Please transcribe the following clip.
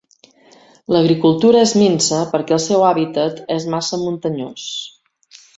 L'agricultura és minsa perquè el seu hàbitat és massa muntanyós.